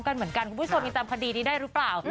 กันเหมือนกันคุณผู้ชมยังตามคดีนี้ได้หรือเปล่า